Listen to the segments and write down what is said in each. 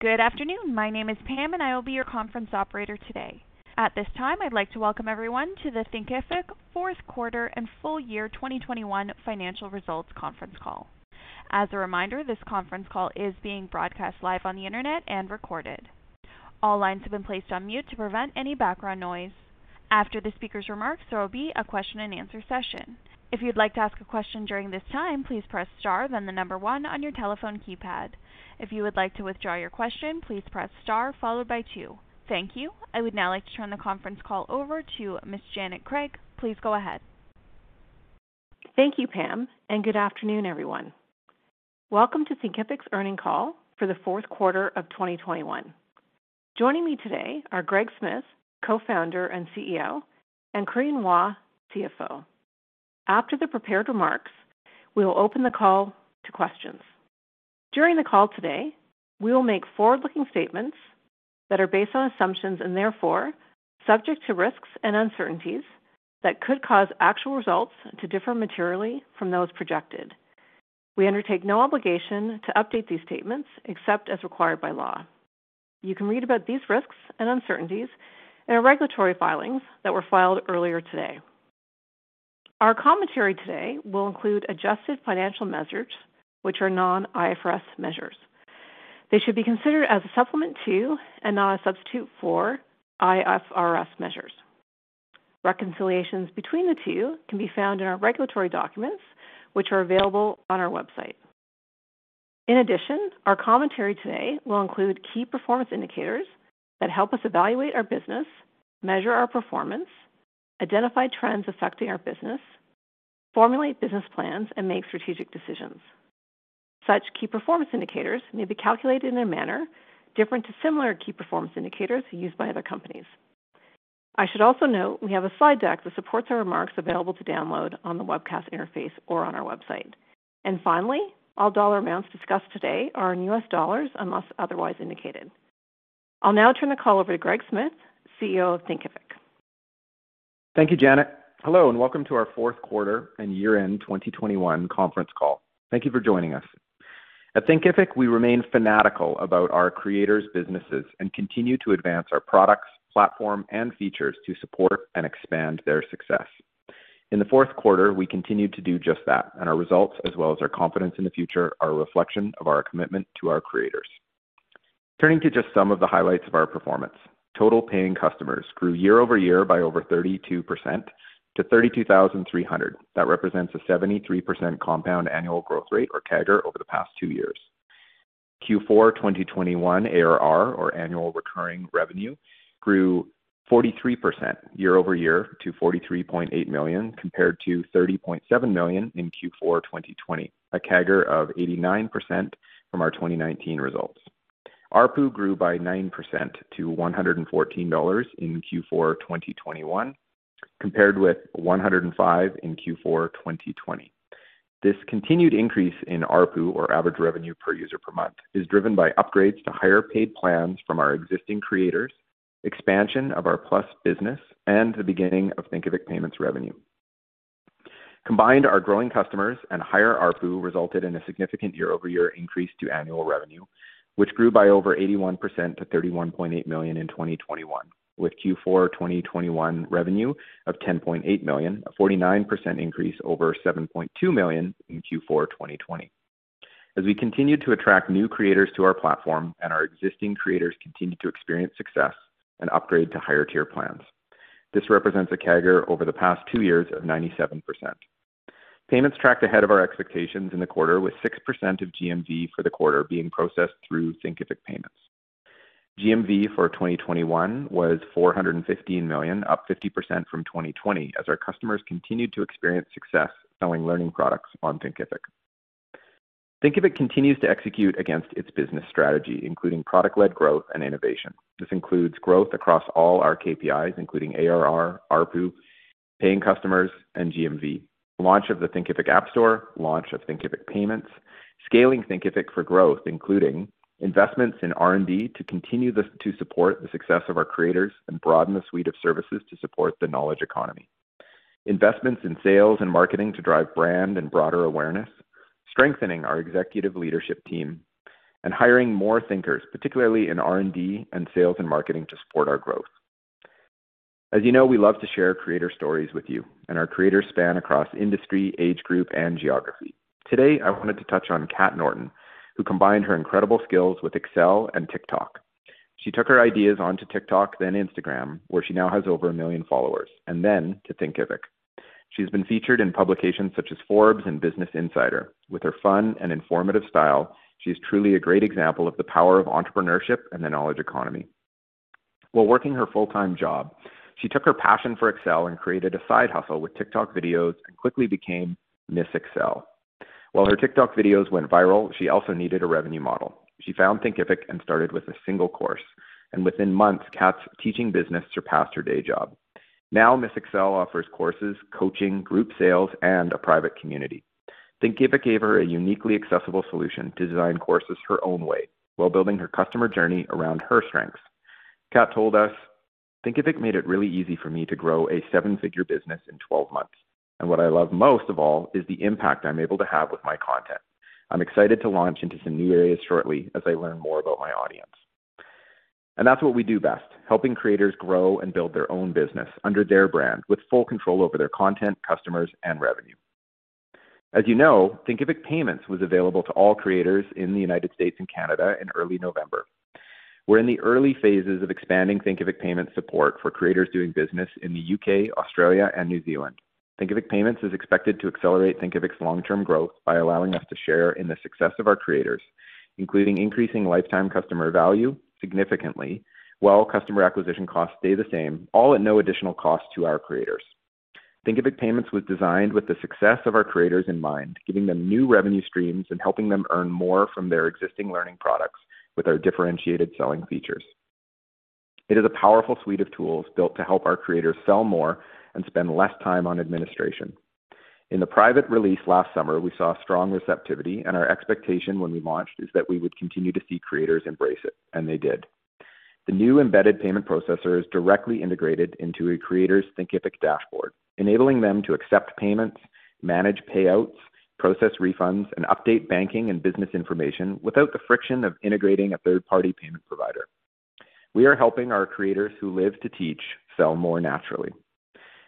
Good afternoon. My name is Pam, and I will be your conference operator today. At this time, I'd like to welcome everyone to the Thinkific Q4 and full year 2021 Financial Results Conference Call. As a reminder, this conference call is being broadcast live on the internet and recorded. All lines have been placed on mute to prevent any background noise. After the speaker's remarks, there will be a question-and-answer session. If you'd like to ask a question during this time, please press star, then the number one on your telephone keypad. If you would like to withdraw your question, please press star followed by two. Thank you. I would now like to turn the conference call over to Ms. Janet Craig. Please go ahead. Thank you, Pam, and good afternoon, everyone. Welcome to Thinkific's Earnings Call for the Q4 of 2021. Joining me today are Greg Smith, Co-Founder and CEO, and Corinne Hua, CFO. After the prepared remarks, we will open the call to questions. During the call today, we will make forward-looking statements that are based on assumptions and therefore subject to risks and uncertainties that could cause actual results to differ materially from those projected. We undertake no obligation to update these statements except as required by law. You can read about these risks and uncertainties in our regulatory filings that were filed earlier today. Our commentary today will include adjusted financial measures, which are non-IFRS measures. They should be considered as a supplement to and not a substitute for IFRS measures. Reconciliations between the two can be found in our regulatory documents, which are available on our website. In addition, our commentary today will include key performance indicators that help us evaluate our business, measure our performance, identify trends affecting our business, formulate business plans, and make strategic decisions. Such key performance indicators may be calculated in a manner different to similar key performance indicators used by other companies. I should also note we have a slide deck that supports our remarks available to download on the webcast interface or on our website. Finally, all dollar amounts discussed today are in U.S. dollars, unless otherwise indicated. I'll now turn the call over to Greg Smith, CEO of Thinkific. Thank you, Janet. Hello, and welcome to our fourth quarter and year-end 2021 conference call. Thank you for joining us. At Thinkific, we remain fanatical about our creators' businesses and continue to advance our products, platform, and features to support and expand their success. In the fourth quarter, we continued to do just that, and our results, as well as our confidence in the future, are a reflection of our commitment to our creators. Turning to just some of the highlights of our performance. Total paying customers grew year-over-year by over 32% to 32,300. That represents a 73% compound annual growth rate, or CAGR, over the past two years. Q4 2021 ARR, or annual recurring revenue, grew 43% year-over-year to $43.8 million, compared to $30.7 million in Q4 2020, a CAGR of 89% from our 2019 results. ARPU grew by 9% to $114 in Q4 2021, compared with $105 in Q4 2020. This continued increase in ARPU, or average revenue per user per month, is driven by upgrades to higher paid plans from our existing creators, expansion of our Thinkific Plus business, and the beginning of Thinkific Payments revenue. Combined, our growing customers and higher ARPU resulted in a significant year-over-year increase to annual revenue, which grew by over 81% to $31.8 million in 2021, with Q4 2021 revenue of $10.8 million, a 49% increase over $7.2 million in Q4 2020. As we continue to attract new creators to our platform and our existing creators continue to experience success and upgrade to higher tier plans. This represents a CAGR over the past two years of 97%. Payments tracked ahead of our expectations in the quarter, with 6% of GMV for the quarter being processed through Thinkific Payments. GMV for 2021 was $415 million, up 50% from 2020 as our customers continued to experience success selling learning products on Thinkific. Thinkific continues to execute against its business strategy, including product-led growth and innovation. This includes growth across all our KPIs, including ARR, ARPU, paying customers, and GMV. Launch of the Thinkific App Store, launch of Thinkific Payments, scaling Thinkific for growth, including investments in R&D to support the success of our creators and broaden the suite of services to support the knowledge economy. Investments in sales and marketing to drive brand and broader awareness, strengthening our executive leadership team, and hiring more thinkers, particularly in R&D and sales and marketing, to support our growth. As you know, we love to share creator stories with you, and our creators span across industry, age group, and geography. Today, I wanted to touch on Kat Norton, who combined her incredible skills with Excel and TikTok. She took her ideas onto TikTok, then Instagram, where she now has over 1 million followers, and then to Thinkific. She's been featured in publications such as Forbes and Business Insider. With her fun and informative style, she's truly a great example of the power of entrepreneurship and the knowledge economy. While working her full-time job, she took her passion for Excel and created a side hustle with TikTok videos and quickly became Miss Excel. While her TikTok videos went viral, she also needed a revenue model. She found Thinkific and started with a single course, and within months, Kat's teaching business surpassed her day job. Now, Miss Excel offers courses, coaching, group sales, and a private community. Thinkific gave her a uniquely accessible solution to design courses her own way while building her customer journey around her strengths. Kat told us, "Thinkific made it really easy for me to grow a seven-figure business in 12 months, and what I love most of all is the impact I'm able to have with my content. I'm excited to launch into some new areas shortly as I learn more about my audience." That's what we do best, helping creators grow and build their own business under their brand with full control over their content, customers, and revenue. As you know, Thinkific Payments was available to all creators in the United States and Canada in early November. We're in the early phases of expanding Thinkific Payments support for creators doing business in the U.K., Australia, and New Zealand. Thinkific Payments is expected to accelerate Thinkific's long-term growth by allowing us to share in the success of our creators, including increasing lifetime customer value significantly while customer acquisition costs stay the same, all at no additional cost to our creators. Thinkific Payments was designed with the success of our creators in mind, giving them new revenue streams and helping them earn more from their existing learning products with our differentiated selling features. It is a powerful suite of tools built to help our creators sell more and spend less time on administration. In the private release last summer, we saw strong receptivity, and our expectation when we launched is that we would continue to see creators embrace it, and they did. The new embedded payment processor is directly integrated into a creator's Thinkific dashboard, enabling them to accept payments, manage payouts, process refunds, and update banking and business information without the friction of integrating a third-party payment provider. We are helping our creators who live to teach sell more naturally.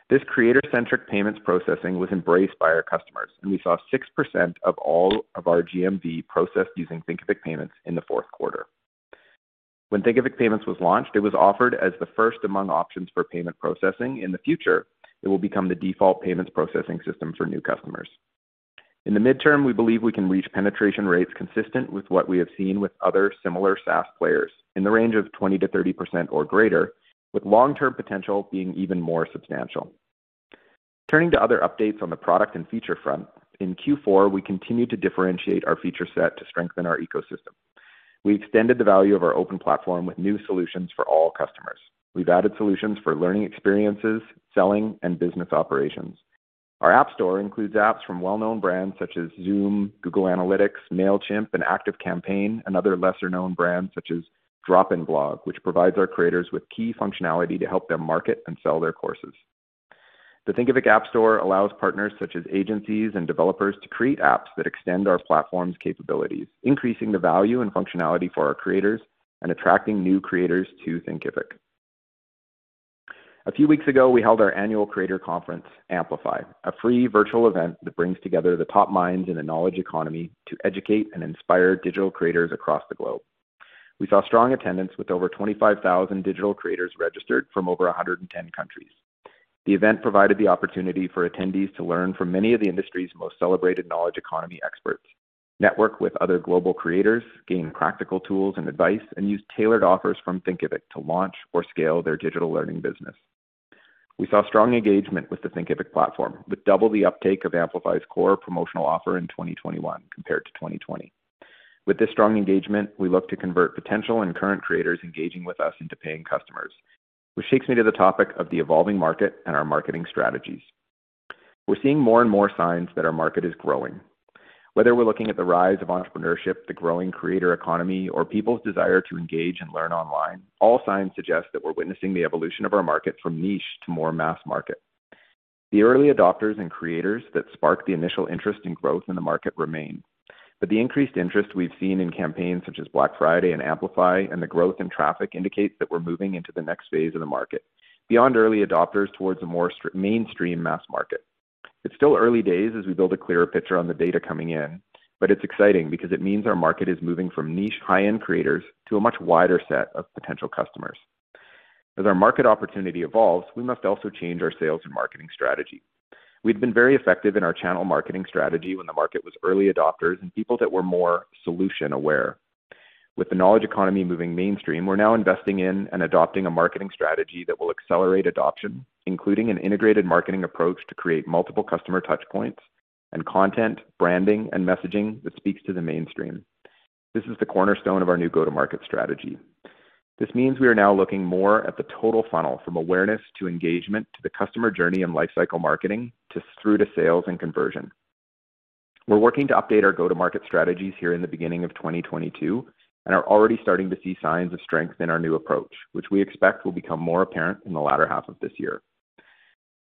This creator-centric payments processing was embraced by our customers, and we saw 6% of all of our GMV processed using Thinkific Payments in the fourth quarter. When Thinkific Payments was launched, it was offered as the first among options for payment processing. In the future, it will become the default payments processing system for new customers. In the midterm, we believe we can reach penetration rates consistent with what we have seen with other similar SaaS players in the range of 20%-30% or greater, with long-term potential being even more substantial. Turning to other updates on the product and feature front, in Q4, we continued to differentiate our feature set to strengthen our ecosystem. We extended the value of our open platform with new solutions for all customers. We've added solutions for learning experiences, selling, and business operations. Our app store includes apps from well-known brands such as Zoom, Google Analytics, Mailchimp, and ActiveCampaign, and other lesser-known brands such as DropInBlog, which provides our creators with key functionality to help them market and sell their courses. The Thinkific App Store allows partners such as agencies and developers to create apps that extend our platform's capabilities, increasing the value and functionality for our creators and attracting new creators to Thinkific. A few weeks ago, we held our annual creator conference, Amplify, a free virtual event that brings together the top minds in the knowledge economy to educate and inspire digital creators across the globe. We saw strong attendance with over 25,000 digital creators registered from over 110 countries. The event provided the opportunity for attendees to learn from many of the industry's most celebrated knowledge economy experts, network with other global creators, gain practical tools and advice, and use tailored offers from Thinkific to launch or scale their digital learning business. We saw strong engagement with the Thinkific platform, with double the uptake of Amplify's core promotional offer in 2021 compared to 2020. With this strong engagement, we look to convert potential and current creators engaging with us into paying customers, which takes me to the topic of the evolving market and our marketing strategies. We're seeing more and more signs that our market is growing. Whether we're looking at the rise of entrepreneurship, the growing creator economy, or people's desire to engage and learn online, all signs suggest that we're witnessing the evolution of our market from niche to more mass market. The early adopters and creators that sparked the initial interest in growth in the market remain, but the increased interest we've seen in campaigns such as Black Friday and Amplify and the growth in traffic indicates that we're moving into the next phase of the market, beyond early adopters towards a more mainstream mass market. It's still early days as we build a clearer picture on the data coming in, but it's exciting because it means our market is moving from niche high-end creators to a much wider set of potential customers. As our market opportunity evolves, we must also change our sales and marketing strategy. We've been very effective in our channel marketing strategy when the market was early adopters and people that were more solution aware. With the knowledge economy moving mainstream, we're now investing in and adopting a marketing strategy that will accelerate adoption, including an integrated marketing approach to create multiple customer touch points and content, branding, and messaging that speaks to the mainstream. This is the cornerstone of our new go-to-market strategy. This means we are now looking more at the total funnel from awareness to engagement to the customer journey and lifecycle marketing through to sales and conversion. We're working to update our go-to-market strategies here in the beginning of 2022 and are already starting to see signs of strength in our new approach, which we expect will become more apparent in the latter half of this year.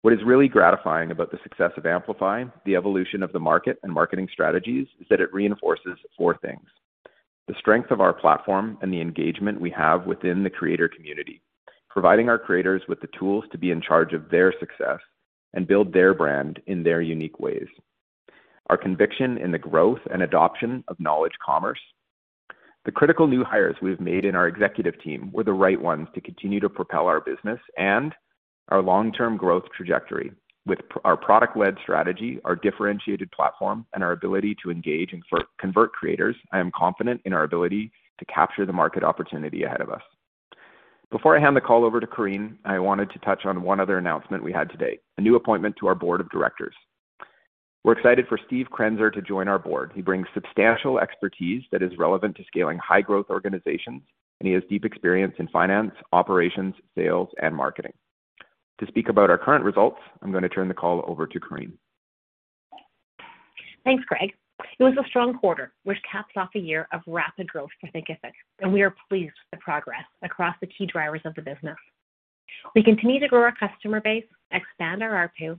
What is really gratifying about the success of Amplify, the evolution of the market and marketing strategies, is that it reinforces four things, the strength of our platform and the engagement we have within the creator community, providing our creators with the tools to be in charge of their success and build their brand in their unique ways, our conviction in the growth and adoption of knowledge commerce, the critical new hires we've made in our executive team were the right ones to continue to propel our business, and our long-term growth trajectory. With our product-led strategy, our differentiated platform, and our ability to engage and convert creators, I am confident in our ability to capture the market opportunity ahead of us. Before I hand the call over to Corinne, I wanted to touch on one other announcement we had today, a new appointment to our board of directors. We're excited for Steve Krenzer to join our board. He brings substantial expertise that is relevant to scaling high-growth organizations, and he has deep experience in finance, operations, sales, and marketing. To speak about our current results, I'm gonna turn the call over to Corinne. Thanks, Greg. It was a strong quarter, which capped off a year of rapid growth for Thinkific, and we are pleased with the progress across the key drivers of the business. We continue to grow our customer base, expand our ARPU,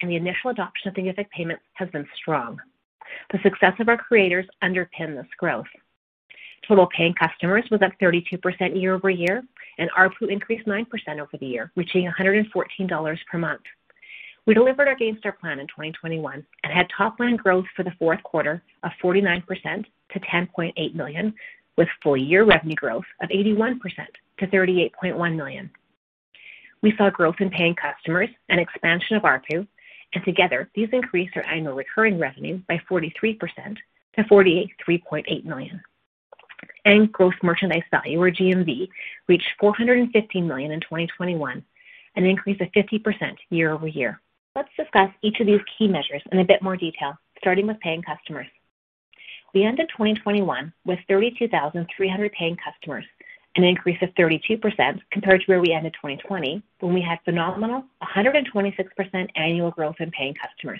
and the initial adoption of Thinkific Payments has been strong. The success of our creators underpin this growth. Total paying customers was up 32% year-over-year, and ARPU increased 9% over the year, reaching $114 per month. We delivered against our plan in 2021 and had top-line growth for the fourth quarter of 49% to $10.8 million, with full year revenue growth of 81% to $38.1 million. We saw growth in paying customers and expansion of ARPU, and together, these increased our annual recurring revenue by 43% to $43.8 million. Earned gross merchandise value, or GMV, reached $415 million in 2021, an increase of 50% year-over-year. Let's discuss each of these key measures in a bit more detail, starting with paying customers. We ended 2021 with 32,300 paying customers, an increase of 32% compared to where we ended 2020, when we had phenomenal 126% annual growth in paying customers.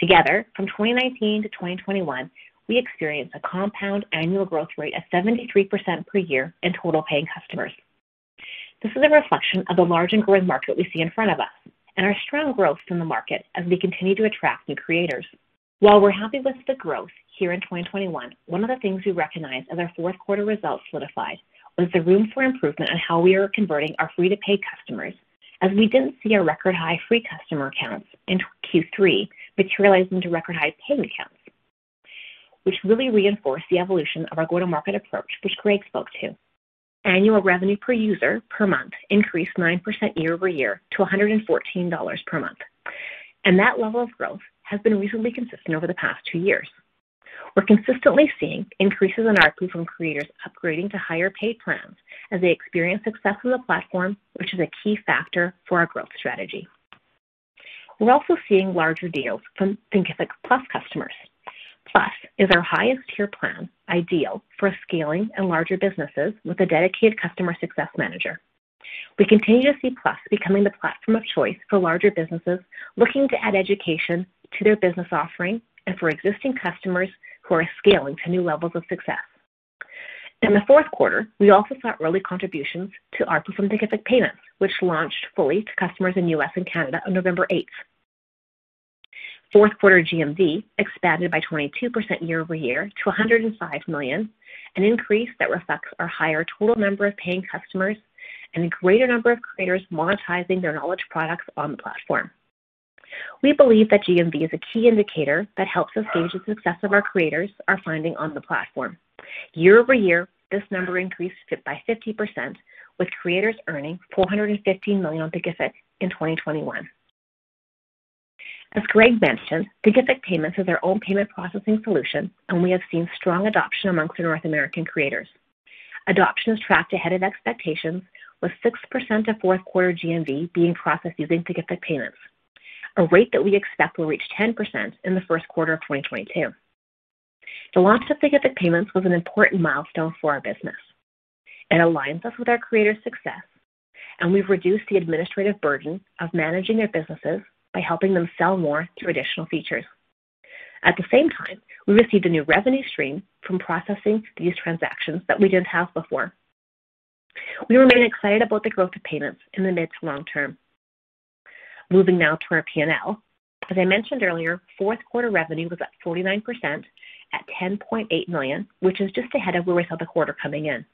Together, from 2019 to 2021, we experienced a compound annual growth rate of 73% per year in total paying customers. This is a reflection of the large and growing market we see in front of us and our strong growth in the market as we continue to attract new creators. While we're happy with the growth here in 2021, one of the things we recognized as our fourth quarter results solidified was the room for improvement on how we are converting our free to paid customers, as we didn't see our record high free customer counts in Q3 materialize into record high paying accounts, which really reinforced the evolution of our go-to-market approach, which Greg spoke to. Annual revenue per user per month increased 9% year-over-year to $114 per month. That level of growth has been reasonably consistent over the past two years. We're consistently seeing increases in ARPU from creators upgrading to higher paid plans as they experience success on the platform, which is a key factor for our growth strategy. We're also seeing larger deals from Thinkific Plus customers. Plus is our highest tier plan, ideal for scaling and larger businesses with a dedicated customer success manager. We continue to see Plus becoming the platform of choice for larger businesses looking to add education to their business offering and for existing customers who are scaling to new levels of success. In the fourth quarter, we also saw early contributions to ARPU from Thinkific Payments, which launched fully to customers in U.S. and Canada on November 8. Fourth quarter GMV expanded by 22% year-over-year to $105 million, an increase that reflects our higher total number of paying customers and a greater number of creators monetizing their knowledge products on the platform. We believe that GMV is a key indicator that helps us gauge the success our creators are finding on the platform. Year-over-year, this number increased by 50%, with creators earning $450 million on Thinkific in 2021. As Greg mentioned, Thinkific Payments is our own payment processing solution, and we have seen strong adoption amongst the North American creators. Adoption is tracked ahead of expectations, with 6% of fourth quarter GMV being processed using Thinkific Payments, a rate that we expect will reach 10% in the first quarter of 2022. The launch of Thinkific Payments was an important milestone for our business. It aligns us with our creators' success, and we've reduced the administrative burden of managing their businesses by helping them sell more through additional features. At the same time, we received a new revenue stream from processing these transactions that we didn't have before. We remain excited about the growth of payments in the mid to long term. Moving now to our P&L. As I mentioned earlier, fourth quarter revenue was up 49% at $10.8 million, which is just ahead of where we saw the quarter coming in.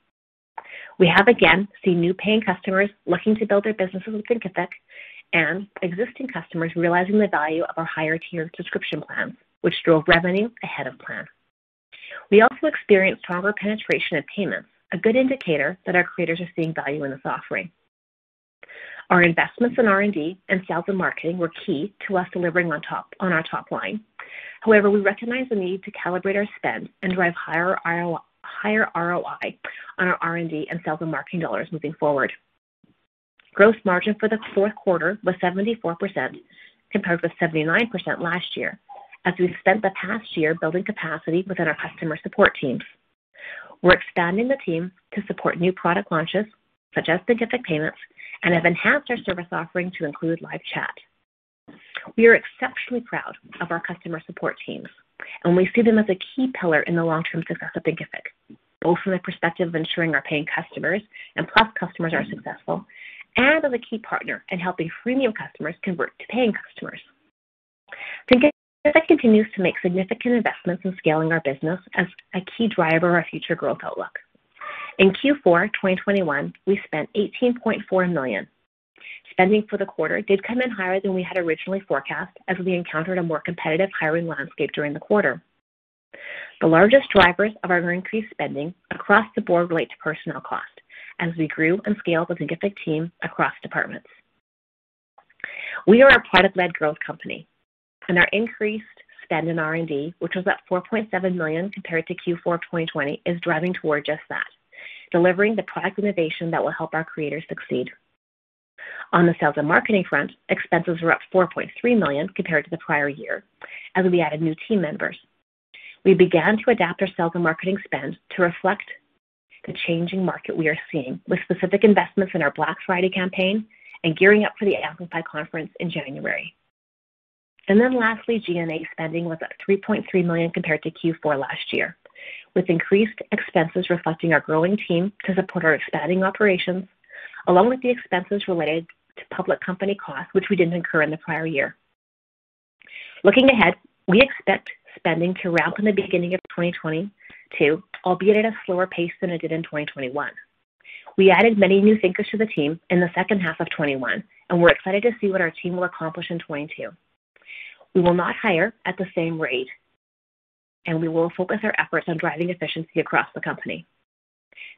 We have again seen new paying customers looking to build their businesses with Thinkific and existing customers realizing the value of our higher tier subscription plans, which drove revenue ahead of plan. We also experienced stronger penetration of payments, a good indicator that our creators are seeing value in this offering. Our investments in R&D and sales and marketing were key to us delivering on our top line. However, we recognize the need to calibrate our spend and drive higher ROI on our R&D and sales and marketing dollars moving forward. Gross margin for the fourth quarter was 74%, compared with 79% last year, as we've spent the past year building capacity within our customer support teams. We're expanding the team to support new product launches, such as Thinkific Payments, and have enhanced our service offering to include live chat. We are exceptionally proud of our customer support teams, and we see them as a key pillar in the long-term success of Thinkific, both from the perspective of ensuring our paying customers and Plus customers are successful and as a key partner in helping freemium customers convert to paying customers. Thinkific continues to make significant investments in scaling our business as a key driver of our future growth outlook. In Q4 2021, we spent $18.4 million. Spending for the quarter did come in higher than we had originally forecast, as we encountered a more competitive hiring landscape during the quarter. The largest drivers of our increased spending across the board relate to personnel costs, as we grew and scaled the Thinkific team across departments. We are a product-led growth company, and our increased spend in R&D, which was up $4.7 million compared to Q4 of 2020, is driving toward just that, delivering the product innovation that will help our creators succeed. On the sales and marketing front, expenses were up $4.3 million compared to the prior year as we added new team members. We began to adapt our sales and marketing spend to reflect the changing market we are seeing with specific investments in our Black Friday campaign and gearing up for the Amplify conference in January. Lastly, G&A spending was at $3.3 million compared to Q4 last year, with increased expenses reflecting our growing team to support our expanding operations, along with the expenses related to public company costs, which we didn't incur in the prior year. Looking ahead, we expect spending to ramp in the beginning of 2022, albeit at a slower pace than it did in 2021. We added many new thinkers to the team in the second half of 2021, and we're excited to see what our team will accomplish in 2022. We will not hire at the same rate, and we will focus our efforts on driving efficiency across the company.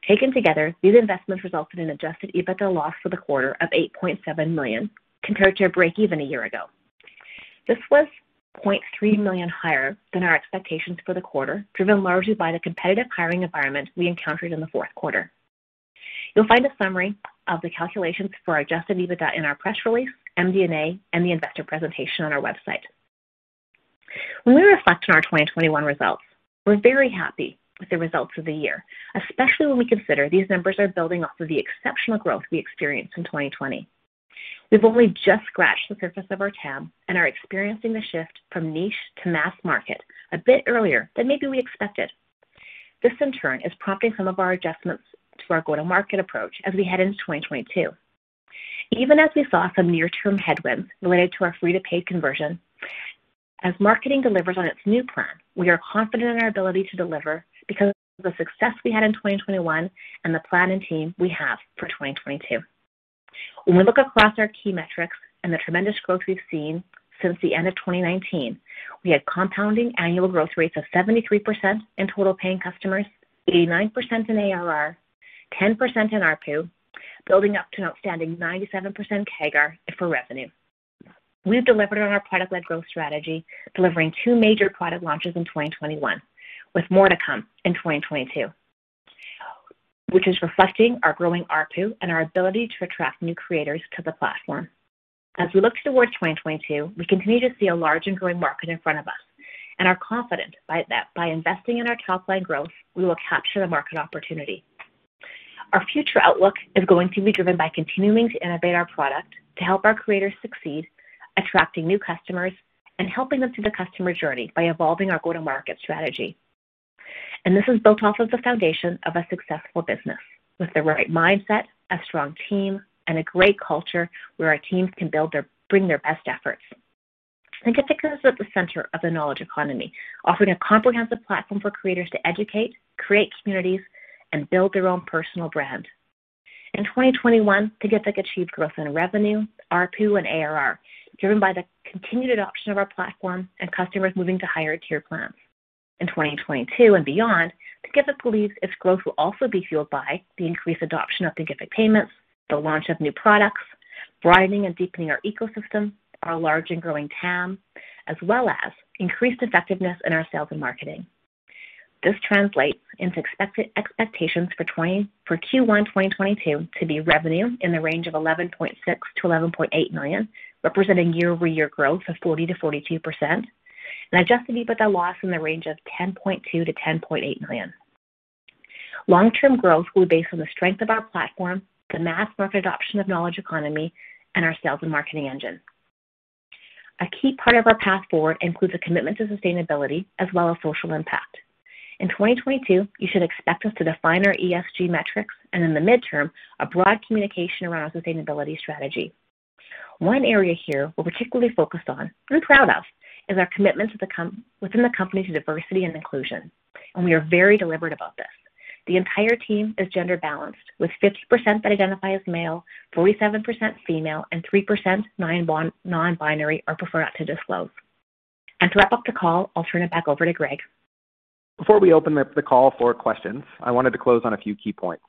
Taken together, these investments resulted in adjusted EBITDA loss for the quarter of $8.7 million, compared to a break-even a year ago. This was $0.3 million higher than our expectations for the quarter, driven largely by the competitive hiring environment we encountered in the fourth quarter. You'll find a summary of the calculations for our adjusted EBITDA in our press release, MD&A, and the investor presentation on our website. When we reflect on our 2021 results, we're very happy with the results of the year, especially when we consider these numbers are building off of the exceptional growth we experienced in 2020. We've only just scratched the surface of our TAM and are experiencing the shift from niche to mass market a bit earlier than maybe we expected. This, in turn, is prompting some of our adjustments to our go-to-market approach as we head into 2022. Even as we saw some near-term headwinds related to our free-to-paid conversion, as marketing delivers on its new plan, we are confident in our ability to deliver because of the success we had in 2021 and the plan and team we have for 2022. When we look across our key metrics and the tremendous growth we've seen since the end of 2019, we had compounding annual growth rates of 73% in total paying customers, 89% in ARR, 10% in ARPU, building up to an outstanding 97% CAGR for revenue. We've delivered on our product-led growth strategy, delivering two major product launches in 2021, with more to come in 2022, which is reflecting our growing ARPU and our ability to attract new creators to the platform. As we look towards 2022, we continue to see a large and growing market in front of us and are confident that by investing in our top-line growth, we will capture the market opportunity. Our future outlook is going to be driven by continuing to innovate our product to help our creators succeed, attracting new customers, and helping them through the customer journey by evolving our go-to-market strategy. This is built off of the foundation of a successful business with the right mindset, a strong team, and a great culture where our teams can bring their best efforts. Thinkific is at the center of the knowledge economy, offering a comprehensive platform for creators to educate, create communities, and build their own personal brand. In 2021, Thinkific achieved growth in revenue, ARPU, and ARR, driven by the continued adoption of our platform and customers moving to higher tier plans. In 2022 and beyond, Thinkific believes its growth will also be fueled by the increased adoption of Thinkific Payments, the launch of new products, broadening and deepening our ecosystem, our large and growing TAM, as well as increased effectiveness in our sales and marketing. This translates into expectations for Q1 2022 to be revenue in the range of $11.6 million-$11.8 million, representing year-over-year growth of 40%-42%, and adjusted EBITDA loss in the range of $10.2 million-$10.8 million. Long-term growth will be based on the strength of our platform, the mass market adoption of knowledge economy, and our sales and marketing engine. A key part of our path forward includes a commitment to sustainability as well as social impact. In 2022, you should expect us to define our ESG metrics, and in the midterm, a broad communication around our sustainability strategy. One area here we're particularly focused on and proud of is our commitment within the company to diversity and inclusion, and we are very deliberate about this. The entire team is gender-balanced, with 50% that identify as male, 47% female, and 3% non-binary or prefer not to disclose. To wrap up the call, I'll turn it back over to Greg. Before we open up the call for questions, I wanted to close on a few key points.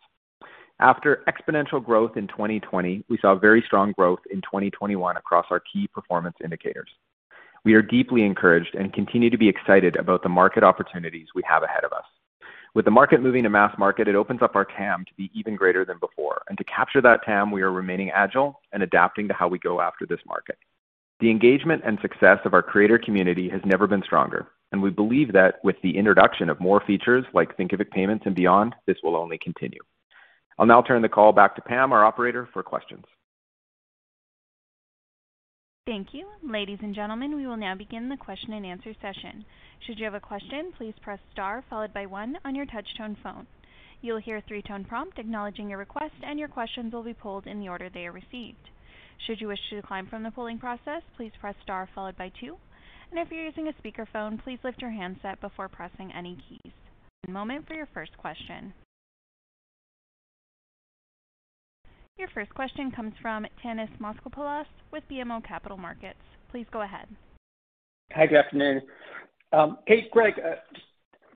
After exponential growth in 2020, we saw very strong growth in 2021 across our key performance indicators. We are deeply encouraged and continue to be excited about the market opportunities we have ahead of us. With the market moving to mass market, it opens up our TAM to be even greater than before. To capture that TAM, we are remaining agile and adapting to how we go after this market. The engagement and success of our creator community has never been stronger, and we believe that with the introduction of more features like Thinkific Payments and beyond, this will only continue. I'll now turn the call back to Pam, our operator, for questions. Thank you. Ladies and gentlemen, we will now begin the question-and-answer session. Should you have a question, please press star followed by one on your touch-tone phone. You'll hear a three-tone prompt acknowledging your request, and your questions will be pulled in the order they are received. Should you wish to decline from the pulling process, please press star followed by two. If you're using a speakerphone, please lift your handset before pressing any keys. One moment for your first question. Your first question comes from Thanos Moschopoulos with BMO Capital Markets. Please go ahead. Hi, good afternoon. Kate, Greg, just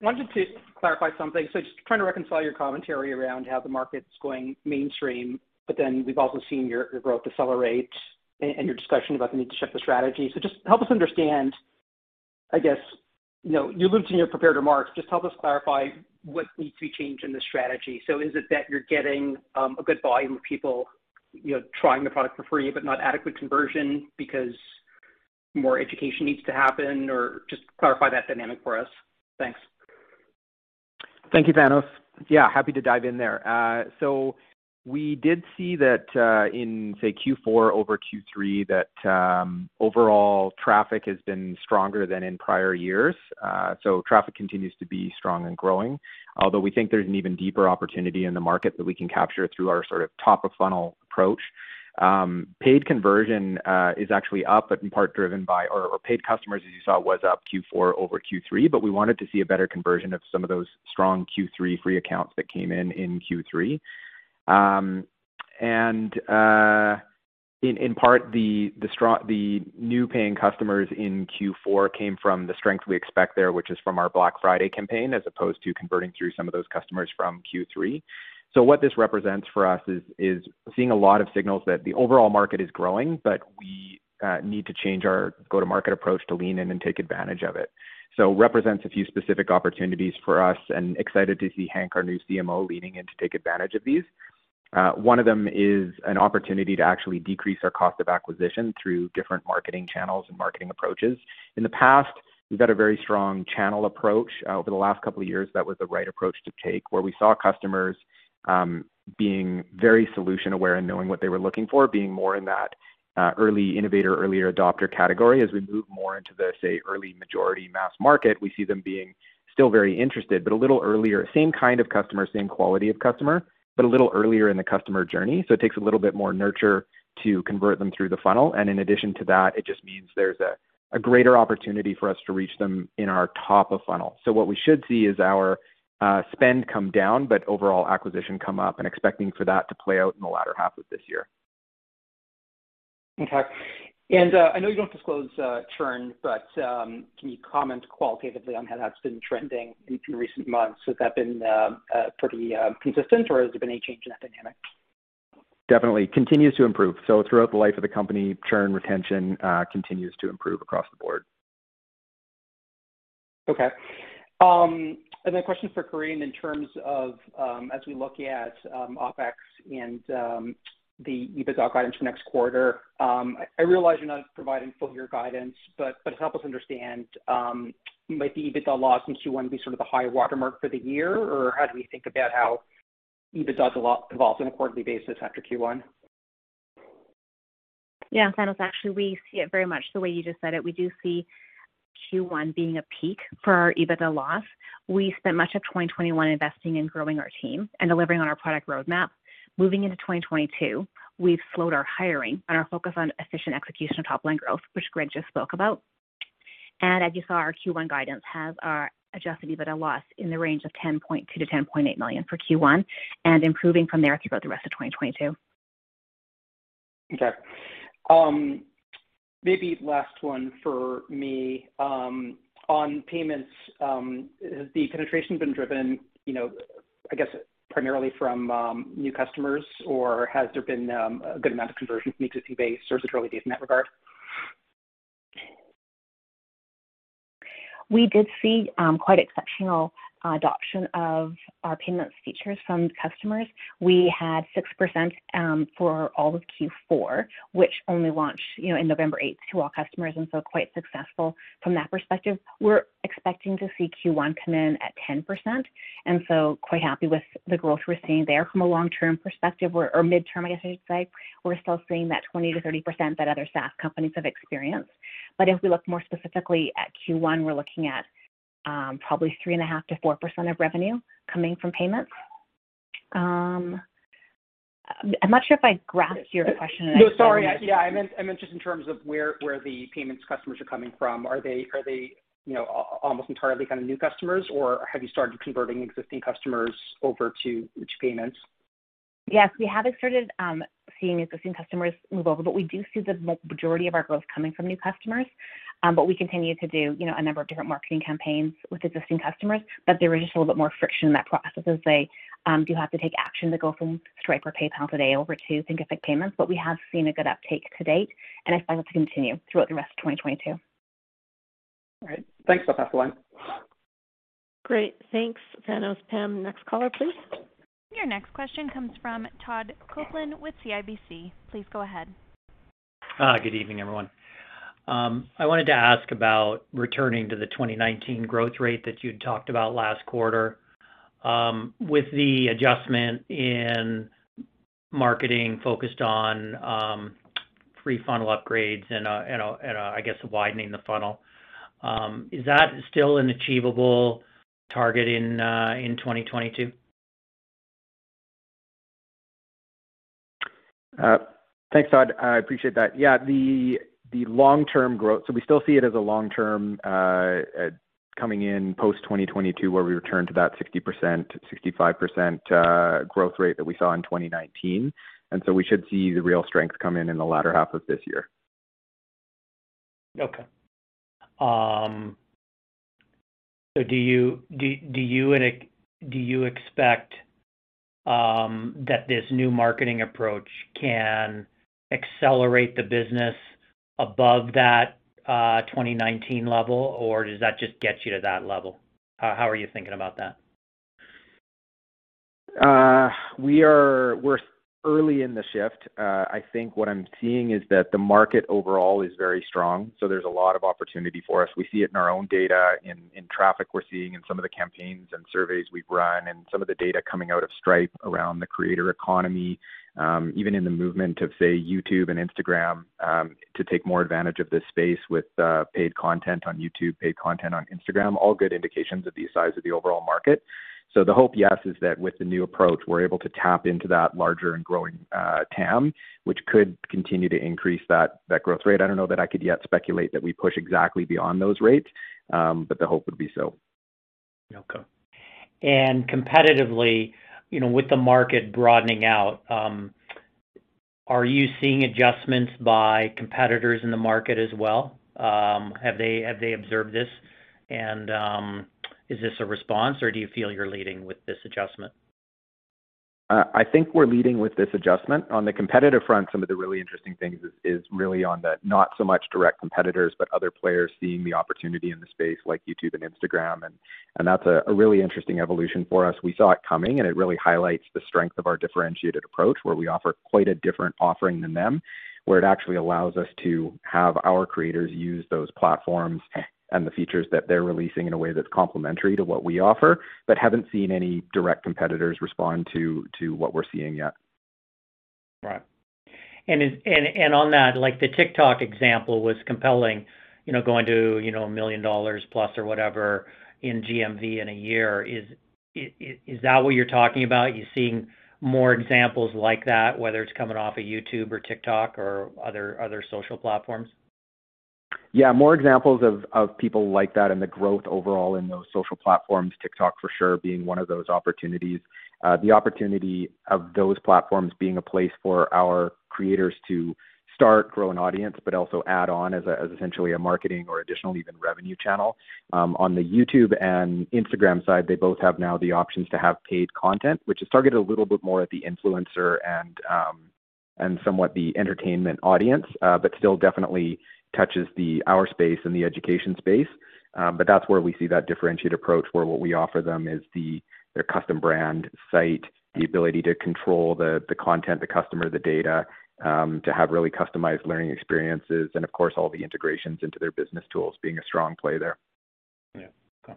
wanted to clarify something. Just trying to reconcile your commentary around how the market's going mainstream, but then we've also seen your growth decelerate and your discussion about the need to shift the strategy. Just help us understand, I guess, you know, you alluded in your prepared remarks, just help us clarify what needs to be changed in the strategy. Is it that you're getting a good volume of people, you know, trying the product for free but not adequate conversion because more education needs to happen? Or just clarify that dynamic for us. Thanks. Thank you, Thanos. Yeah, happy to dive in there. We did see that in, say, Q4 over Q3 that overall traffic has been stronger than in prior years. Traffic continues to be strong and growing, although we think there's an even deeper opportunity in the market that we can capture through our sort of top-of-funnel approach. Paid conversion is actually up, but in part driven by our paid customers, as you saw, was up Q4 over Q3, but we wanted to see a better conversion of some of those strong Q3 free accounts that came in in Q3. In part, the new paying customers in Q4 came from the strength we expect there, which is from our Black Friday campaign, as opposed to converting through some of those customers from Q3. What this represents for us is seeing a lot of signals that the overall market is growing, but we need to change our go-to-market approach to lean in and take advantage of it. It represents a few specific opportunities for us, and I'm excited to see Henk, our new CMO, leaning in to take advantage of these. One of them is an opportunity to actually decrease our cost of acquisition through different marketing channels and marketing approaches. In the past, we've had a very strong channel approach. Over the last couple of years, that was the right approach to take, where we saw customers being very solution aware and knowing what they were looking for, being more in that early innovator, earlier adopter category. As we move more into the, say, early majority mass market, we see them being still very interested, but a little earlier. Same kind of customer, same quality of customer, but a little earlier in the customer journey. It takes a little bit more nurture to convert them through the funnel. In addition to that, it just means there's a greater opportunity for us to reach them in our top of funnel. What we should see is our spend come down, but overall acquisition come up, and expecting for that to play out in the latter half of this year. Okay. I know you don't disclose churn, but can you comment qualitatively on how that's been trending in recent months? Has that been pretty consistent, or has there been any change in that dynamic? Definitely. Continues to improve. Throughout the life of the company, churn retention continues to improve across the board. Okay. Then a question for Corinne in terms of, as we look at, OpEx and the EBITDA guidance for next quarter, I realize you're not providing full year guidance, but help us understand, might the EBITDA loss in Q1 be sort of the high watermark for the year, or how do we think about how EBITDA's evolves on a quarterly basis after Q1? Yeah. Thanos, actually, we see it very much the way you just said it. We do see Q1 being a peak for our EBITDA loss. We spent much of 2021 investing in growing our team and delivering on our product roadmap. Moving into 2022, we've slowed our hiring and are focused on efficient execution of top-line growth, which Greg just spoke about. As you saw, our Q1 guidance has our adjusted EBITDA loss in the range of $10.2 million-$10.8 million for Q1 and improving from there throughout the rest of 2022. Okay. Maybe last one for me. On payments, has the penetration been driven, you know, I guess primarily from new customers, or has there been a good amount of conversion from existing base or is it early days in that regard? We did see quite exceptional adoption of our payments features from customers. We had 6% for all of Q4, which only launched, you know, in November 8 to all customers, and so quite successful from that perspective. We're expecting to see Q1 come in at 10%, and so quite happy with the growth we're seeing there from a long-term perspective or midterm, I guess I should say. We're still seeing that 20%-30% that other SaaS companies have experienced. If we look more specifically at Q1, we're looking at probably 3.5%-4% of revenue coming from payments. I'm not sure if I grasp your question. No, sorry. Yeah, I meant just in terms of where the payments customers are coming from. Are they, you know, almost entirely kind of new customers, or have you started converting existing customers over to payments? Yes, we have started seeing existing customers move over, but we do see the majority of our growth coming from new customers. We continue to do, you know, a number of different marketing campaigns with existing customers, but there was just a little bit more friction in that process as they do have to take action to go from Stripe or PayPal today over to Thinkific Payments. We have seen a good uptake to date, and I expect it to continue throughout the rest of 2022. All right. Thanks. I'll pass the line. Great. Thanks, Thanos. Pam, next caller, please. Your next question comes from Todd Coupland with CIBC. Please go ahead. Good evening, everyone. I wanted to ask about returning to the 2019 growth rate that you had talked about last quarter. With the adjustment in marketing focused on pre-funnel upgrades and a, I guess, widening the funnel, is that still an achievable target in 2022? Thanks, Todd. I appreciate that. Yeah, the long-term growth. We still see it as a long-term coming in post-2022, where we return to that 60%-65% growth rate that we saw in 2019. We should see the real strength come in in the latter half of this year. Okay. Do you expect that this new marketing approach can accelerate the business above that 2019 level, or does that just get you to that level? How are you thinking about that? We're early in the shift. I think what I'm seeing is that the market overall is very strong, so there's a lot of opportunity for us. We see it in our own data, in traffic we're seeing in some of the campaigns and surveys we've run, and some of the data coming out of Stripe around the creator economy. Even in the movement of, say, YouTube and Instagram, to take more advantage of this space with paid content on YouTube, paid content on Instagram, all good indications of the size of the overall market. The hope, yes, is that with the new approach, we're able to tap into that larger and growing TAM, which could continue to increase that growth rate. I don't know that I could yet speculate that we push exactly beyond those rates, but the hope would be so. Okay. Competitively, you know, with the market broadening out, are you seeing adjustments by competitors in the market as well? Have they observed this? Is this a response or do you feel you're leading with this adjustment? I think we're leading with this adjustment. On the competitive front, some of the really interesting things is really on the not so much direct competitors, but other players seeing the opportunity in the space like YouTube and Instagram and that's a really interesting evolution for us. We saw it coming, and it really highlights the strength of our differentiated approach, where we offer quite a different offering than them, where it actually allows us to have our creators use those platforms and the features that they're releasing in a way that's complementary to what we offer. We haven't seen any direct competitors respond to what we're seeing yet. Right. On that, like, the TikTok example was compelling, you know, going to, you know, $1 million plus or whatever in GMV in a year. Is that what you're talking about? You're seeing more examples like that, whether it's coming off of YouTube or TikTok or other social platforms? Yeah, more examples of people like that and the growth overall in those social platforms, TikTok for sure being one of those opportunities. The opportunity of those platforms being a place for our creators to start, grow an audience, but also add on as essentially a marketing or additional even revenue channel. On the YouTube and Instagram side, they both have now the options to have paid content, which is targeted a little bit more at the influencer and somewhat the entertainment audience, but still definitely touches our space and the education space. That's where we see that differentiated approach, where what we offer them is their custom brand site, the ability to control the content, the customer, the data, to have really customized learning experiences, and of course, all the integrations into their business tools being a strong play there. Yeah. Okay.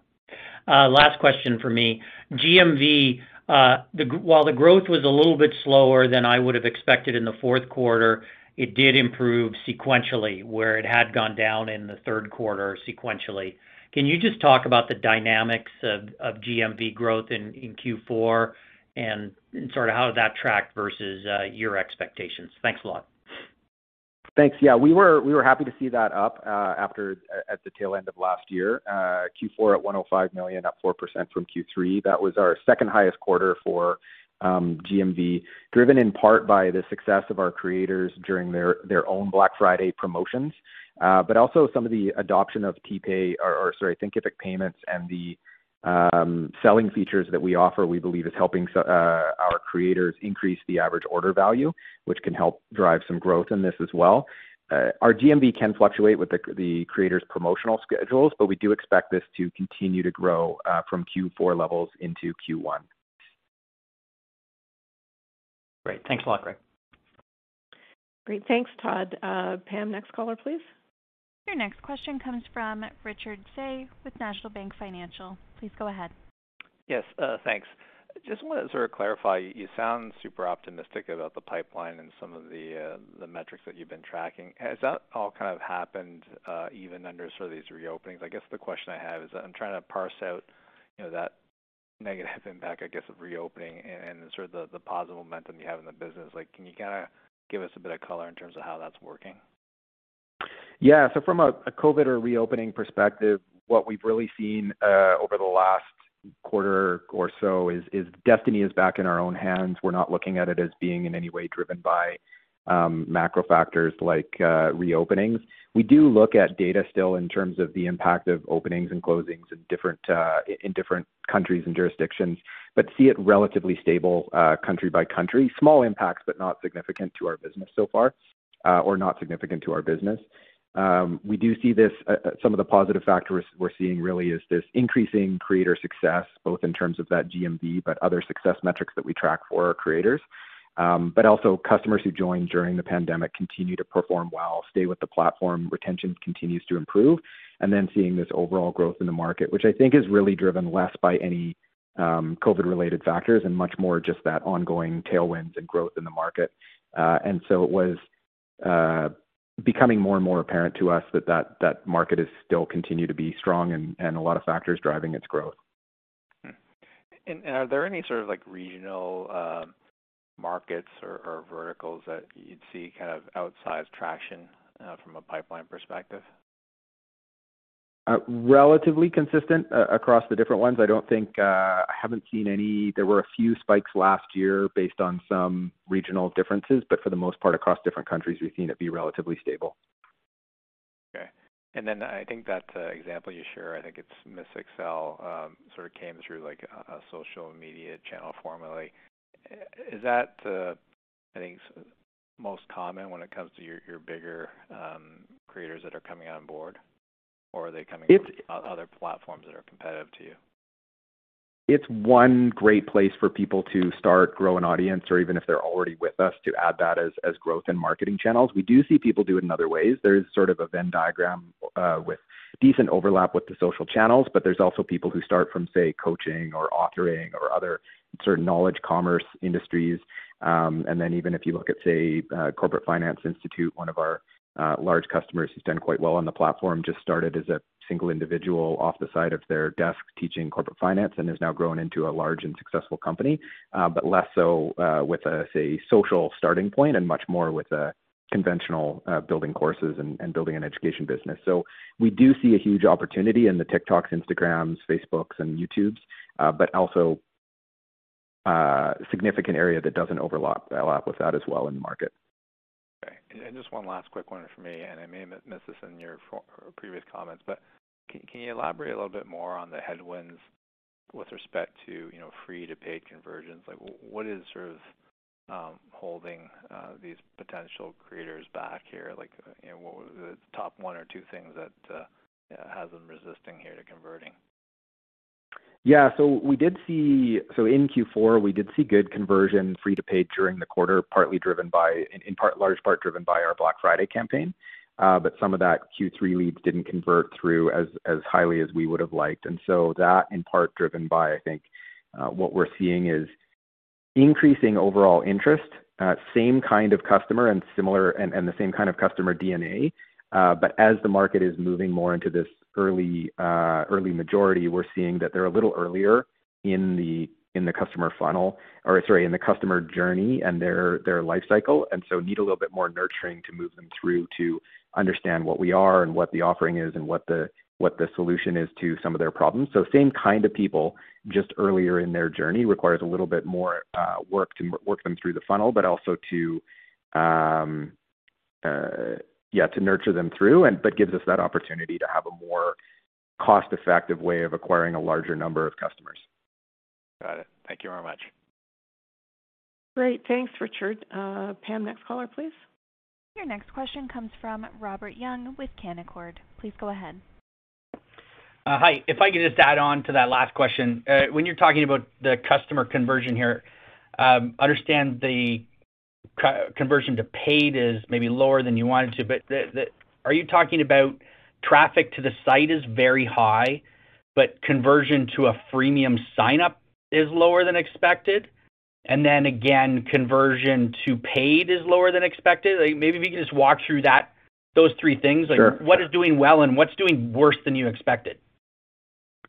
Last question for me. GMV, while the growth was a little bit slower than I would have expected in the fourth quarter, it did improve sequentially, where it had gone down in the third quarter sequentially. Can you just talk about the dynamics of GMV growth in Q4 and sort of how that tracked versus your expectations? Thanks a lot. Thanks. Yeah, we were happy to see that up at the tail end of last year. Q4 at $105 million, up 4% from Q3. That was our second highest quarter for GMV, driven in part by the success of our creators during their own Black Friday promotions. But also some of the adoption of Thinkific Payments and the selling features that we offer, we believe is helping our creators increase the average order value, which can help drive some growth in this as well. Our GMV can fluctuate with the creators' promotional schedules, but we do expect this to continue to grow from Q4 levels into Q1. Great. Thanks a lot, Greg. Great. Thanks, Todd. Pam, next caller, please. Your next question comes from Richard Tse with National Bank Financial. Please go ahead. Yes, thanks. Just wanted to sort of clarify, you sound super optimistic about the pipeline and some of the metrics that you've been tracking. Has that all kind of happened, even under sort of these reopenings? I guess the question I have is I'm trying to parse out, you know, that negative impact, I guess, of reopening and sort of the positive momentum you have in the business. Like, can you kinda give us a bit of color in terms of how that's working? Yeah. From a COVID or reopening perspective, what we've really seen over the last quarter or so is destiny is back in our own hands. We're not looking at it as being in any way driven by macro factors like reopenings. We do look at data still in terms of the impact of openings and closings in different countries and jurisdictions, but see it relatively stable country by country. Small impacts, but not significant to our business so far or not significant to our business. We do see some of the positive factors we're seeing really is this increasing creator success, both in terms of that GMV, but other success metrics that we track for our creators. Also customers who joined during the pandemic continue to perform well, stay with the platform, retention continues to improve. Seeing this overall growth in the market, which I think is really driven less by any COVID-related factors and much more just that ongoing tailwinds and growth in the market. It was becoming more and more apparent to us that that market is still continue to be strong and a lot of factors driving its growth. Are there any sort of like regional markets or verticals that you'd see kind of outsized traction from a pipeline perspective? Relatively consistent across the different ones. I don't think I haven't seen any. There were a few spikes last year based on some regional differences, but for the most part, across different countries, we've seen it be relatively stable. Okay. I think that example you shared, I think it's Kat Norton, sort of came through like a social media channel formally. Is that, I think, the most common when it comes to your bigger creators that are coming on board? Or are they coming from other platforms that are competitive to you? It's one great place for people to start, grow an audience, or even if they're already with us, to add that as growth and marketing channels. We do see people do it in other ways. There's sort of a Venn diagram with decent overlap with the social channels, but there's also people who start from, say, coaching or authoring or other certain knowledge commerce industries. Even if you look at, say, Corporate Finance Institute, one of our large customers who's done quite well on the platform, just started as a single individual off the side of their desk teaching corporate finance, and has now grown into a large and successful company. Less so with a say social starting point and much more with a conventional building courses and building an education business. We do see a huge opportunity in the TikToks, Instagrams, Facebooks and YouTubes, but also, significant area that doesn't overlap with that as well in the market. Okay. Just one last quick one for me, and I may have missed this in your previous comments. Can you elaborate a little bit more on the headwinds with respect to, you know, free-to-paid conversions? Like what is sort of holding these potential creators back here? Like, you know, what was the top one or two things that has them resisting here to converting? In Q4, we did see good conversion free-to-paid during the quarter, partly driven by in part, large part driven by our Black Friday campaign. But some of that Q3 leads didn't convert through as highly as we would've liked. That in part driven by, I think, what we're seeing is increasing overall interest, same kind of customer and similar and the same kind of customer DNA. As the market is moving more into this early majority, we're seeing that they're a little earlier in the customer funnel or, sorry, in the customer journey and their life cycle, and so need a little bit more nurturing to move them through to understand what we are and what the offering is and what the solution is to some of their problems. Same kind of people just earlier in their journey requires a little bit more work to work them through the funnel, but also to nurture them through but gives us that opportunity to have a more cost-effective way of acquiring a larger number of customers. Got it. Thank you very much. Great. Thanks, Richard. Pam, next caller, please. Your next question comes from Robert Young with Canaccord. Please go ahead. Hi. If I could just add on to that last question. When you're talking about the customer conversion here, understand the conversion to paid is maybe lower than you wanted to. Are you talking about traffic to the site is very high, but conversion to a freemium sign-up is lower than expected? Then again, conversion to paid is lower than expected? Like, maybe if you could just walk through that, those three things. Sure. Like, what is doing well and what's doing worse than you expected?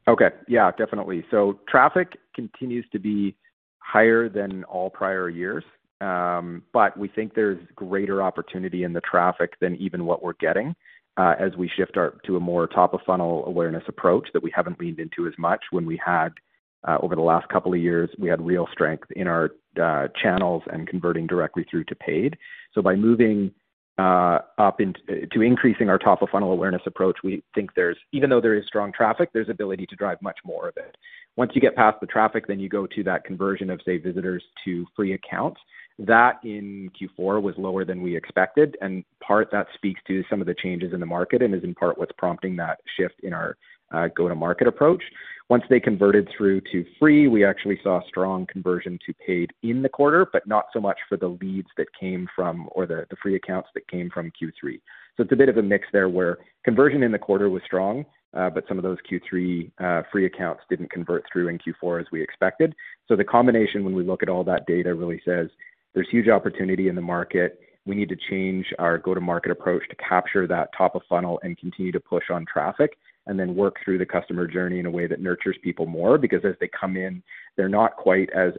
Okay. Yeah, definitely. Traffic continues to be higher than all prior years. We think there's greater opportunity in the traffic than even what we're getting, as we shift to a more top-of-funnel awareness approach that we haven't leaned into as much. When we had, over the last couple of years, we had real strength in our channels and converting directly through to paid. By moving up into increasing our top-of-funnel awareness approach, we think even though there is strong traffic, there's ability to drive much more of it. Once you get past the traffic, you go to that conversion of, say, visitors to free accounts. That in Q4 was lower than we expected, and that part speaks to some of the changes in the market and is in part what's prompting that shift in our go-to-market approach. Once they converted through to free, we actually saw strong conversion to paid in the quarter, but not so much for the leads that came from the free accounts that came from Q3. It's a bit of a mix there where conversion in the quarter was strong, but some of those Q3 free accounts didn't convert through in Q4 as we expected. The combination, when we look at all that data, really says there's huge opportunity in the market. We need to change our go-to-market approach to capture that top of funnel and continue to push on traffic, and then work through the customer journey in a way that nurtures people more. Because as they come in, they're not quite as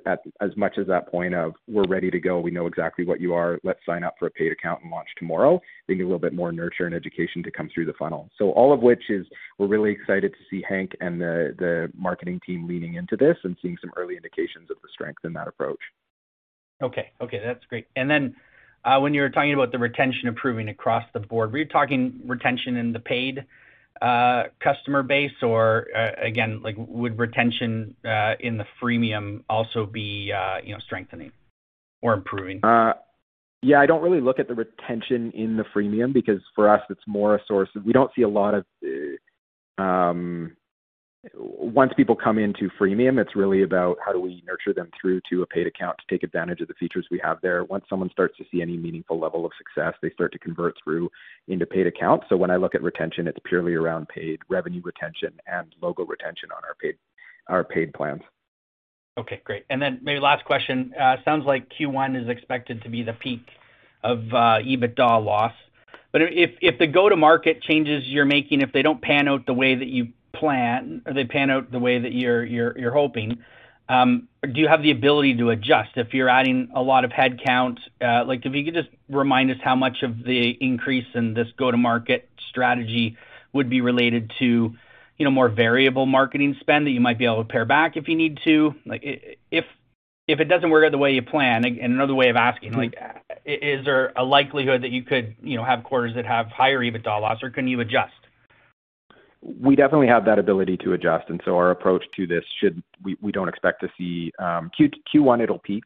much as that point of we're ready to go, we know exactly what you are, let's sign up for a paid account and launch tomorrow. They need a little bit more nurture and education to come through the funnel. All of which is we're really excited to see Henk and the marketing team leaning into this and seeing some early indications of the strength in that approach. Okay, that's great. When you were talking about the retention improving across the board, were you talking retention in the paid customer base? Or again, like would retention in the freemium also be you know, strengthening or improving? I don't really look at the retention in the freemium because for us it's more a source of. We don't see a lot of. Once people come into freemium, it's really about how do we nurture them through to a paid account to take advantage of the features we have there. Once someone starts to see any meaningful level of success, they start to convert through into paid accounts. When I look at retention, it's purely around paid revenue retention and logo retention on our paid plans. Okay, great. Then maybe last question. Sounds like Q1 is expected to be the peak of EBITDA loss. If the go-to-market changes you're making, if they don't pan out the way that you plan or they pan out the way that you're hoping, do you have the ability to adjust if you're adding a lot of headcount? Like, if you could just remind us how much of the increase in this go-to-market strategy would be related to, you know, more variable marketing spend that you might be able to pare back if you need to. Like, if it doesn't work out the way you plan, and another way of asking, like, is there a likelihood that you could, you know, have quarters that have higher EBITDA loss, or can you adjust? We definitely have that ability to adjust, and so our approach to this, we don't expect to see Q1. It'll peak.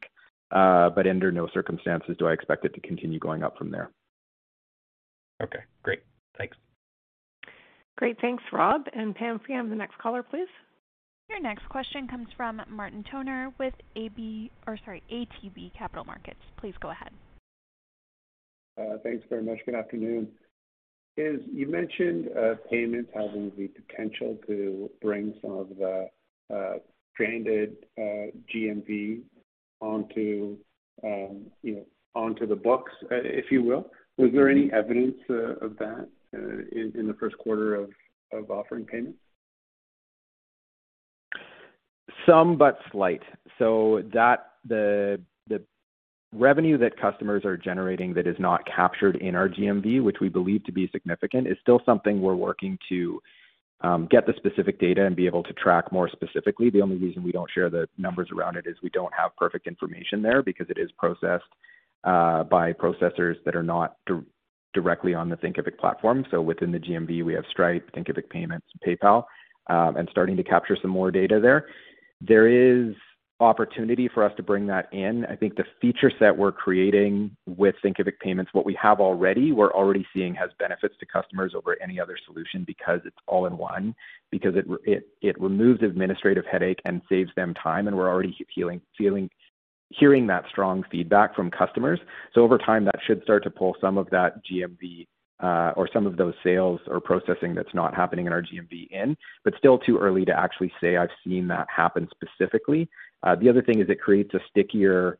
Under no circumstances do I expect it to continue going up from there. Okay, great. Thanks. Great. Thanks, Rob. Pam, can we have the next caller, please? Your next question comes from Martin Toner with ATB Capital Markets. Please go ahead. Thanks very much. Good afternoon. As you mentioned, payments having the potential to bring some of the stranded GMV you know onto the books, if you will. Was there any evidence of that in the first quarter of offering payments? Some, but slight. The revenue that customers are generating that is not captured in our GMV, which we believe to be significant, is still something we're working to get the specific data and be able to track more specifically. The only reason we don't share the numbers around it is we don't have perfect information there because it is processed by processors that are not directly on the Thinkific platform. Within the GMV, we have Stripe, Thinkific Payments, PayPal, and starting to capture some more data there. There is opportunity for us to bring that in. I think the feature set we're creating with Thinkific Payments, what we have already, we're already seeing has benefits to customers over any other solution because it's all in one, because it removes administrative headache and saves them time, and we're already hearing that strong feedback from customers. Over time, that should start to pull some of that GMV, or some of those sales or processing that's not happening in our GMV, but still too early to actually say I've seen that happen specifically. The other thing is it creates a stickier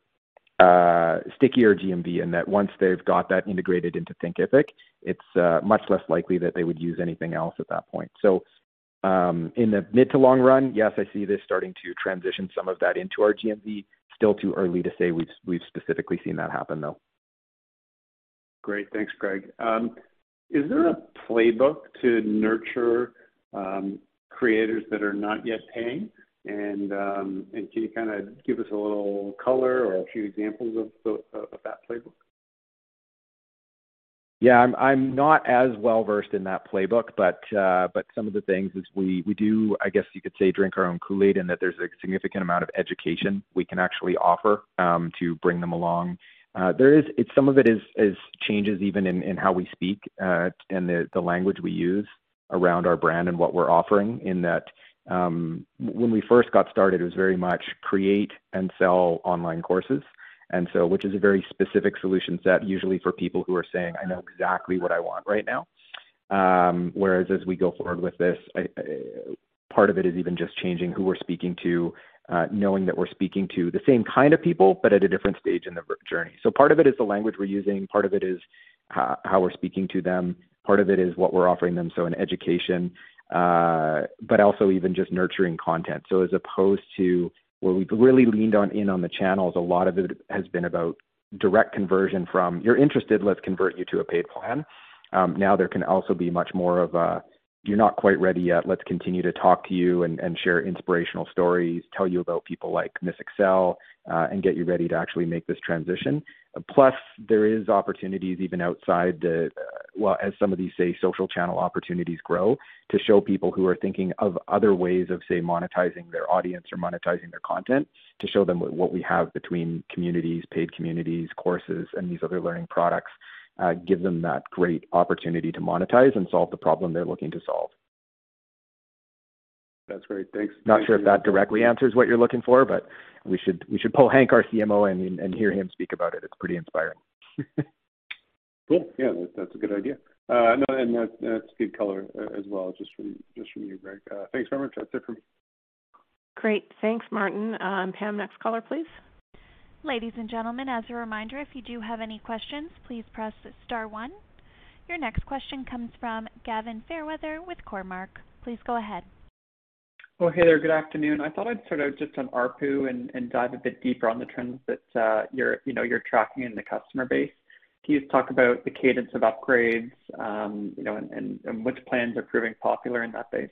GMV, and that once they've got that integrated into Thinkific, it's much less likely that they would use anything else at that point. In the mid to long run, yes, I see this starting to transition some of that into our GMV. Still too early to say we've specifically seen that happen, though. Great. Thanks, Greg. Is there a playbook to nurture creators that are not yet paying? Can you kinda give us a little color or a few examples of that playbook? Yeah. I'm not as well-versed in that playbook, but some of the things is we do, I guess you could say, drink our own Kool-Aid and that there's a significant amount of education we can actually offer to bring them along. There is... Some of it is changes even in how we speak, and the language we use around our brand and what we're offering in that. When we first got started, it was very much create and sell online courses, which is a very specific solution set usually for people who are saying, "I know exactly what I want right now." Whereas as we go forward with this, part of it is even just changing who we're speaking to, knowing that we're speaking to the same kind of people, but at a different stage in their journey. Part of it is the language we're using, part of it is how we're speaking to them, part of it is what we're offering them, so in education, but also even just nurturing content. As opposed to where we've really leaned in on the channels, a lot of it has been about direct conversion from, "You're interested, let's convert you to a paid plan." Now there can also be much more of a, "You're not quite ready yet. Let's continue to talk to you and share inspirational stories, tell you about people like Kat Norton, and get you ready to actually make this transition." Plus, there is opportunities even outside the, well, as some of these, say, social channel opportunities grow, to show people who are thinking of other ways of, say, monetizing their audience or monetizing their content to show them what we have between communities, paid communities, courses, and these other learning products, give them that great opportunity to monetize and solve the problem they're looking to solve. That's great. Thanks. Not sure if that directly answers what you're looking for, but we should pull Hank, our CMO, in and hear him speak about it. It's pretty inspiring. Cool. Yeah. That's a good idea. No, that's good color as well just from you, Greg. Thanks very much. That's it for me. Great. Thanks, Martin. Pam, next caller, please. Ladies and gentlemen, as a reminder, if you do have any questions, please press star one. Your next question comes from Gavin Fairweather with Cormark. Please go ahead. Well, hey there. Good afternoon. I thought I'd start out just on ARPU and dive a bit deeper on the trends that you're, you know, tracking in the customer base. Can you talk about the cadence of upgrades, you know, and which plans are proving popular in that base?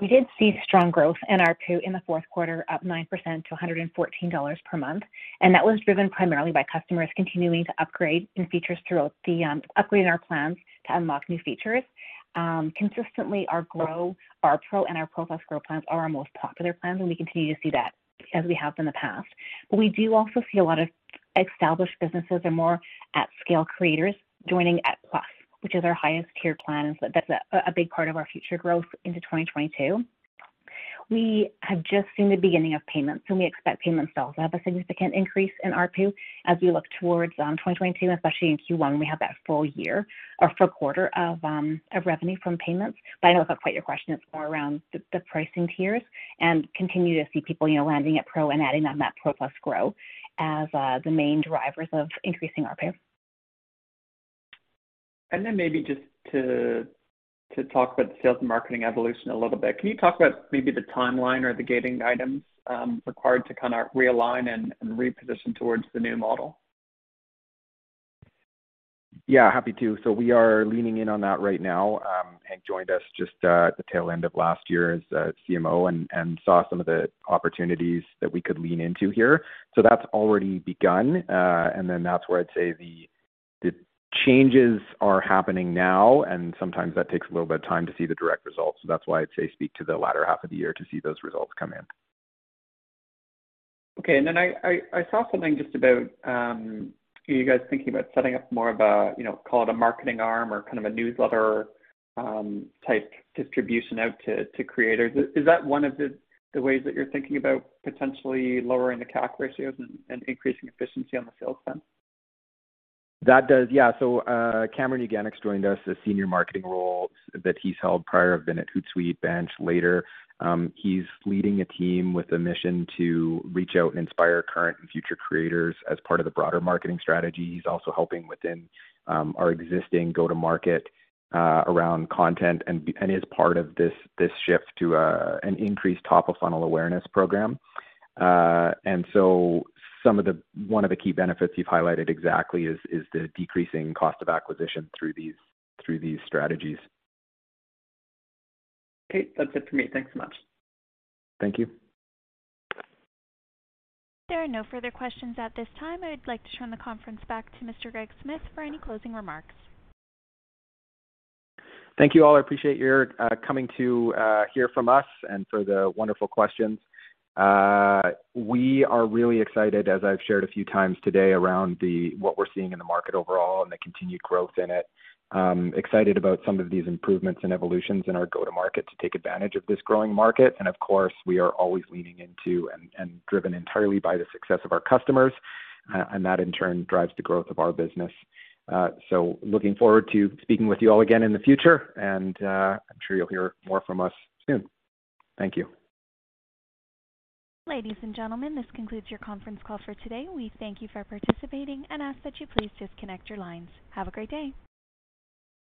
We did see strong growth in ARPU in the fourth quarter, up 9% to $114 per month, and that was driven primarily by customers continuing to upgrade in features throughout the upgrading our plans to unlock new features. Consistently, our Grow, our Pro, and our Pro Plus Grow plans are our most popular plans, and we continue to see that as we have in the past. We do also see a lot of established businesses and more at scale creators joining at Plus, which is our highest tier plan, so that's a big part of our future growth into 2022. We have just seen the beginning of payments, and we expect payments to also have a significant increase in ARPU as we look towards 2022, especially in Q1. We have that full year or full quarter of revenue from payments. But I know that's not quite your question. It's more around the pricing tiers, and we continue to see people, you know, landing at Pro and adding on that Pro Plus Grow as the main drivers of increasing ARPU. Then maybe just to talk about the sales and marketing evolution a little bit. Can you talk about maybe the timeline or the gating items required to kinda realign and reposition towards the new model? Yeah, happy to. We are leaning in on that right now. Henk joined us just at the tail end of last year as CMO and saw some of the opportunities that we could lean into here. That's already begun, and then that's where I'd say the changes are happening now, and sometimes that takes a little bit of time to see the direct results. That's why I'd say speak to the latter half of the year to see those results come in. Okay. I saw something just about you guys thinking about setting up more of a you know call it a marketing arm or kind of a newsletter type distribution out to creators. Is that one of the ways that you're thinking about potentially lowering the CAC ratios and increasing efficiency on the sales front? That does. Yeah. Cameron Uganec joined us in a senior marketing role, and prior roles that he's held have been at Hootsuite, Bench, Later. He's leading a team with a mission to reach out and inspire current and future creators as part of the broader marketing strategy. He's also helping within our existing go-to-market around content and is part of this shift to an increased top-of-funnel awareness program. One of the key benefits you've highlighted exactly is the decreasing cost of acquisition through these strategies. Okay. That's it for me. Thanks so much. Thank you. There are no further questions at this time. I'd like to turn the conference back to Mr. Greg Smith for any closing remarks. Thank you all. I appreciate your coming to hear from us and for the wonderful questions. We are really excited, as I've shared a few times today, around what we're seeing in the market overall and the continued growth in it. Excited about some of these improvements and evolutions in our go-to-market to take advantage of this growing market. Of course, we are always leaning into and driven entirely by the success of our customers, and that in turn drives the growth of our business. Looking forward to speaking with you all again in the future, and I'm sure you'll hear more from us soon. Thank you. Ladies and gentlemen, this concludes your conference call for today. We thank you for participating and ask that you please disconnect your lines. Have a great day.